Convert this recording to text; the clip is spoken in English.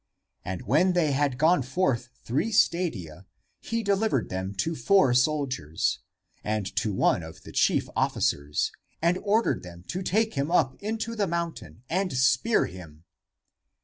And when they had gone forth three stadia, he delivered him to four soldiers, and to one of the chief officeres, and ordered them to take him up into the mountain and spear him.